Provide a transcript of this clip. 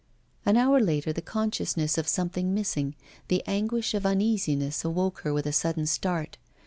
An hour later, the consciousness of something missing, the anguish of uneasiness awoke her with a sudden start.